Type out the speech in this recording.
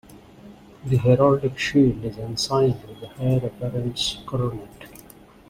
The heraldic shield is ensigned with the Heir Apparent's coronet.